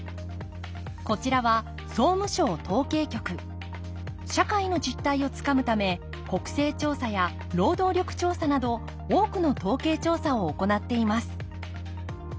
こちらは社会の実態をつかむため国勢調査や労働力調査など多くの統計調査を行っています